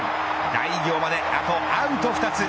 大偉業まであとアウト２つ。